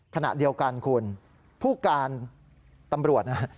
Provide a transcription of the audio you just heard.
ขณะเดียวกันคุณผู้การตำรวจนะฮะ